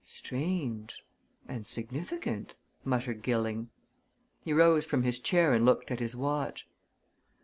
"Strange and significant!" muttered Gilling. He rose from his chair and looked at his watch.